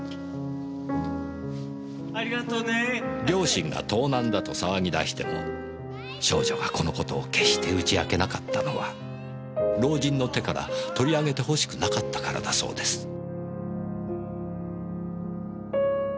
両親が盗難だと騒ぎ出しても少女がこの事を決して打ち明けなかったのは老人の手から取り上げてほしくなかったからだそうです。